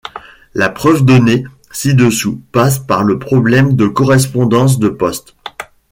La preuve donnée ci-dessous passe par le problème de correspondance de Post.